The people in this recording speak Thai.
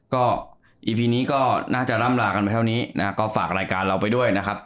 ก็อีพีนี้ก็น่าจะร่ำลากันไปเท่านี้นะฮะก็ฝากรายการเราไปด้วยนะครับ